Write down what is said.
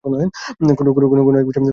কোন এক বিষয়ে মনকে একাগ্র করা।